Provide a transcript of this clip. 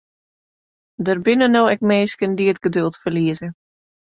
Der binne no ek minsken dy't it geduld ferlieze.